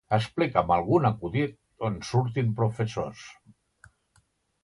Explica'm algun acudit on surtin professors.